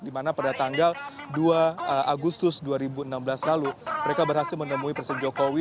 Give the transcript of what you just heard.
di mana pada tanggal dua agustus dua ribu enam belas lalu mereka berhasil menemui presiden jokowi